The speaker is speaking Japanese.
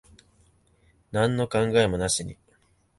なんの考えもなしに。